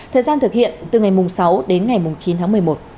thời gian thực hiện từ ngày sáu đến ngày chín tháng một mươi một